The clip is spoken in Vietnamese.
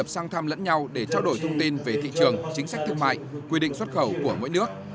sang thăm lẫn nhau để trao đổi thông tin về thị trường chính sách thương mại quy định xuất khẩu của mỗi nước